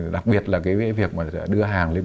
đặc biệt là việc đưa hàng lên